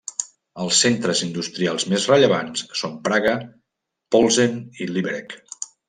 Els centres industrials més rellevants són Praga, Plzeň i Liberec.